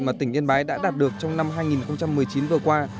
mà tỉnh yên bái đã đạt được trong năm hai nghìn một mươi chín vừa qua